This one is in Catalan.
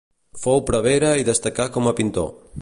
Fou prevere i destacà com a pintor.